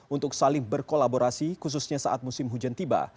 untuk saling berkolaborasi khususnya saat musim hujan tiba